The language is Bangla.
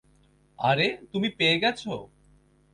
আরে, তুমি পেয়ে গেছো।